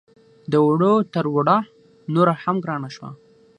د وړو تروړه نوره هم ګرانه شوه